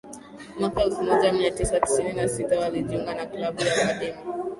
Mwaka elfu moja mia tisa tisini na sita alijiunga na klabu ya akademi